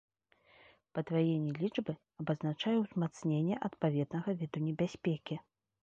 Падваенне лічбы, абазначае ўзмацненне адпаведнага віду небяспекі.